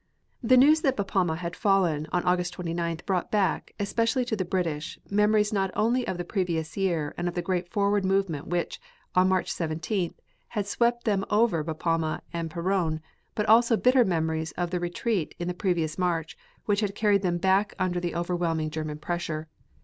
The news that Bapaume had fallen on August 29th brought back, especially to the British, memories not only of the previous year and of the great forward movement which, on March 17th, had swept them over Bapaume and Peronne, but also bitter memories of the retreat in the previous March, which had carried them back under the overwhelming German pressure.